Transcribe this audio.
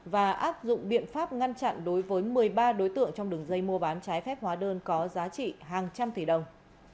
và áp dụng biện pháp ngăn chặn đối với một mươi ba đối tượng trong đường dây mua bán trái phép hóa đơn có giá trị hàng trăm tỷ đồng